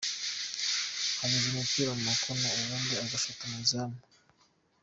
Kunyuza umupira mu makona ubundi ugashota mu izamu.